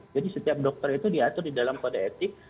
jadi setiap dokter itu diatur di dalam kode etik